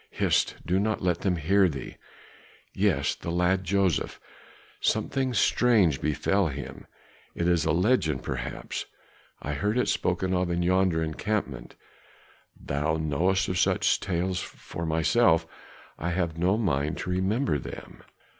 "Hist! do not let them hear thee. Yes, the lad Joseph, something strange befell him; it is a legend perhaps. I heard it spoken of in yonder encampment; thou knowest many such tales, for myself I have no mind to remember them."